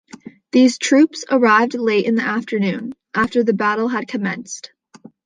These troops arrived late in the afternoon, after the battle had commenced.